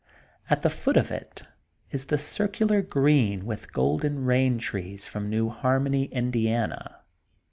At the foot of it is the circular green with Golden Eain Trees from New Harmony, Indiana.